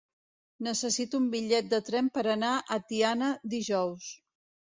Necessito un bitllet de tren per anar a Tiana dijous.